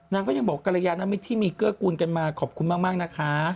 นางก็ยังบอกกรยานมิตรที่มีเกื้อกูลกันมาขอบคุณมากนะคะ